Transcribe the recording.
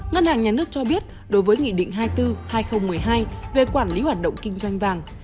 ngân hàng nhà nước cho biết đối với nghị định hai mươi bốn hai nghìn một mươi hai về quản lý hoạt động kinh doanh vàng